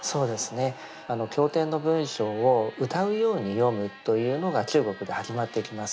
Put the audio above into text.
経典の文章を歌うように読むというのが中国で始まってきます。